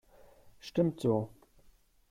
Stimmt so.